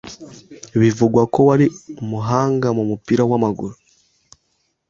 Bivugwa ko wari umuhanga mu mupira w’amaguru,